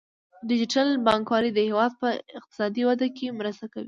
ډیجیټل بانکوالي د هیواد په اقتصادي وده کې مرسته کوي.